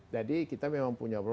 jadi kita memang punya